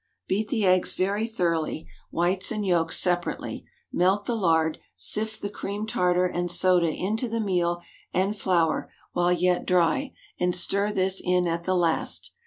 Beat the eggs very thoroughly—whites and yolks separately—melt the lard, sift the cream tartar and soda into the meal and flour while yet dry, and stir this in at the last.